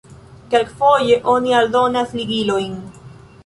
Kelkfoje oni aldonas ligilojn.